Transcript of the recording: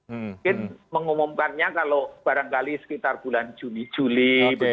mungkin mengumumkannya kalau barangkali sekitar bulan juni juli